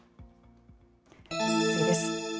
次です。